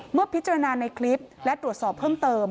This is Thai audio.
เมื่อพิจารณาในคลิปและตรวจสอบเพิ่มเติม